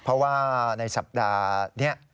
เพราะว่าในสัปดาห์นี้